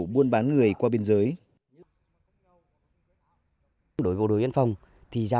bán người qua biên giới